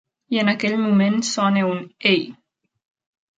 I en aquell moment sona un "Ei"!